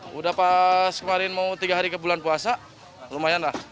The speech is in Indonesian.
sudah pas kemarin mau tiga hari ke bulan puasa lumayan lah